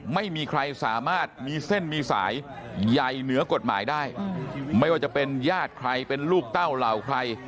ไม่มีใครสามารถมีเส้นมีสายใหญ่เหนือกฎหมายได้ไม่ว่าจะเป็นญาติใครเป็นลูกเต้าเหล่าใคร